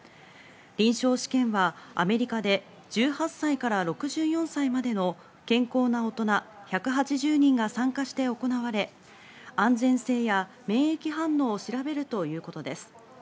臨床試験はアメリカで１８歳から６４歳までの健康な大人１８０人が参加して行われ、安全性や免疫反応を調べるということです。